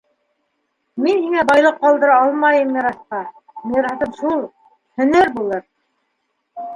Мин һиңә байлыҡ ҡалдыра алмайым мираҫҡа, мираҫым шул - һәнәр булыр.